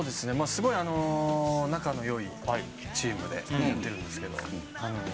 すごい仲のよいチームでやってるんですけど